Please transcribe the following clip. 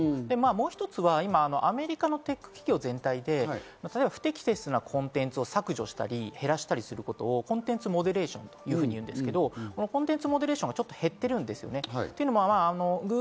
もう一つは、アメリカのテック企業全体で不適切なコンテンツを削除したり、減らしたりすることをコンテンツモデレーションというんですが、コンテンツモデレーションがちょっと減ってるんです。